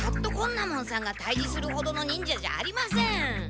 奈門さんが退治するほどの忍者じゃありません。